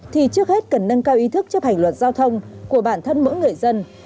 thì trước hết cần nâng cao ý thức chấp hành luật giao thông của bản thân mỗi người dân